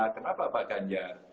kenapa pak ganjar